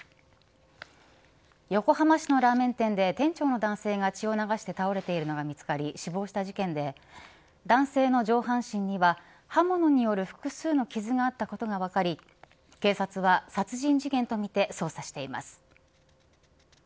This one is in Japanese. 横浜市のラーメン店で店長の男性が血を流し倒れているのが見つかり死亡した事件で男性の上半身には刃物による複数の傷があったことが分かり警察は殺人事件とみて捜査しています。